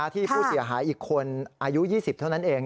ที่ผู้เสียหายอีกคนอายุ๒๐เท่านั้นเอง